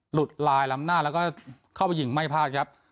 หลุดลายล้ำหน้าแล้วก็เข้าไปยิงไม่พลาดครับ